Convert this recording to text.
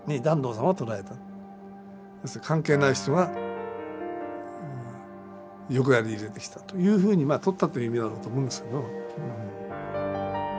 関係ない人が横やり入れてきたというふうにまあ取ったという意味なんだと思うんですけど。